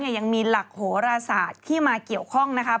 ยังมีหลักโหราศาสตร์ที่มาเกี่ยวข้องนะคะ